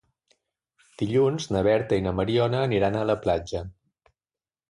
Dilluns na Berta i na Mariona aniran a la platja.